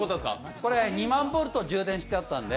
これ、２万ボルト充電してあったんで。